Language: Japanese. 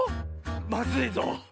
まずいぞ。